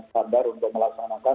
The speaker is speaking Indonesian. standar untuk melaksanakan